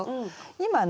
今ね